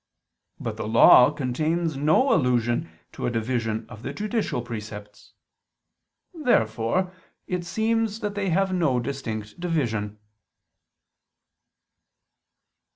But the Law contains no allusion to a division of the judicial precepts. Therefore it seems that they have no distinct division.